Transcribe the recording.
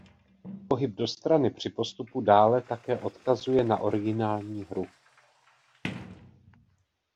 Pohyb do strany při postupu dále také odkazuje na originální hru.